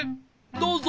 どうぞ。